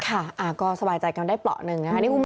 ค่ะก็สบายใจกันได้เปราะหนึ่งนะคะ